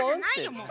もう。